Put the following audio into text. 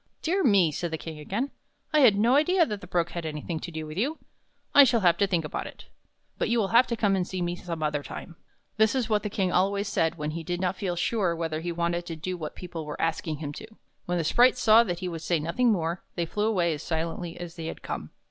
" Dear me! " said the King again. " I had no idea that the Brook had anything to do with you. I shall have to think about it. But you will have to come and see me some other time." This was what the King always said when he did not feel sure whether he wanted to do what people were asking him to. When the sprites saw that he would say nothing more, they flew away as silently as they had come.